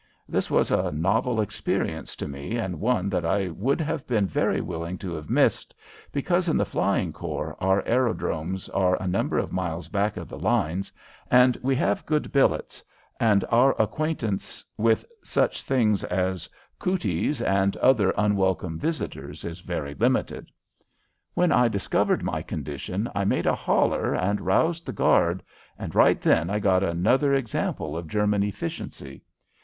This was a novel experience to me and one that I would have been very willing to have missed, because in the Flying Corps our aerodromes are a number of miles back of the lines and we have good billets, and our acquaintance with such things as "cooties" and other unwelcome visitors is very limited. When I discovered my condition I made a holler and roused the guard, and right then I got another example of German efficiency.